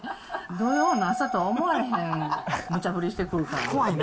土曜の朝とは思われへんむちゃ振りしてくるからね。